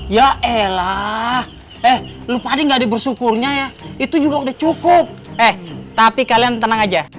ya elah eh lu pada nggak ada bersyukurnya ya itu juga udah cukup eh tapi kalian tenang aja